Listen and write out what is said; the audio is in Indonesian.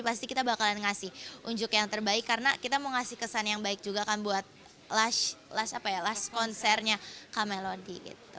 pasti kita bakalan ngasih unjuk yang terbaik karena kita mau ngasih kesan yang baik juga kan buat konsernya kamelody